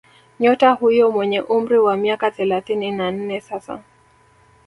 Nyota huyo mwenye umri wa miaka thelathini na nne sasa